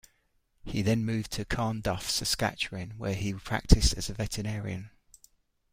He then moved to Carnduff, Saskatchewan where he practiced as a veterinarian.